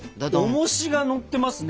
おもしがのってますね。